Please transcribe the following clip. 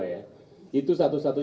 saya mengeluarkan pernyataan